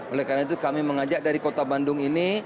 oleh karena itu kami mengajak dari kota bandung ini